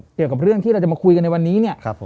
เกี่ยวกับเรื่องที่เราจะมาคุยกันในวันนี้เนี่ย